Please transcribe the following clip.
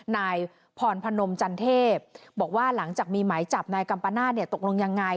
นายพรพนมจันเทพบอกว่าหลังจากมีหมายจับนายกัมปนาศตกลงยังไง